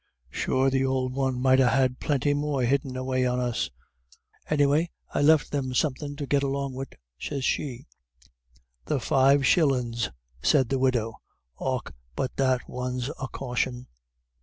Sure th'ould one might ha' plinty more hidden away on us. Anyway, I left them somethin' to get along wid,' sez she." "The five shillin's," said the widow. "Och but that one's a caution."